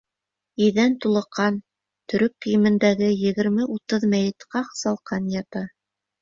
Иҙән тулы ҡан, төрөк кейемендәге егерме-утыҙ мәйет ҡаҡ салҡан ята!